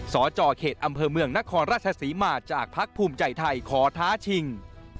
สจเขตอำเภอเมืองนครราชศรีมาจากภักดิ์ภูมิใจไทยขอท้าชิง